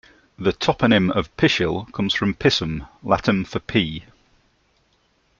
The toponym of Pishill comes from "pisum", Latin for pea.